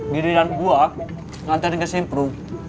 giri dan gue ngantri ke simpro